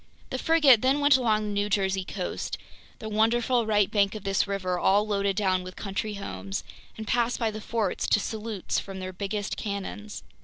The frigate then went along the New Jersey coast—the wonderful right bank of this river, all loaded down with country homes—and passed by the forts to salutes from their biggest cannons.